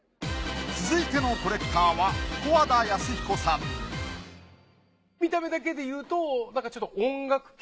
続いてのコレクターは見た目だけでいうとなんかちょっと。